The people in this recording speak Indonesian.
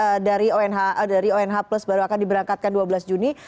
pak farid calon jemaah haji dari onh plus baru akan diberangkatkan dua belas juni